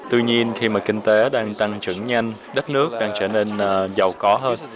tuy nhiên khi mà kinh tế đang tăng trưởng nhanh đất nước đang trở nên giàu có hơn